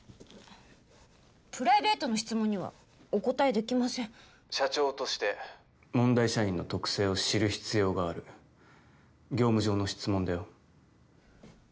プライベートの質問にはお答えできません社長として問題社員の特性を知る必要がある業務上の質問だよ